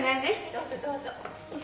どうぞどうぞ。